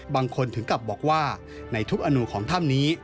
ถึงกลับบอกว่าในทุกอนุของถ้ำนี้